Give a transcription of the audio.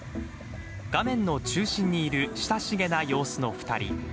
画面の中心にいる親しげな様子の２人。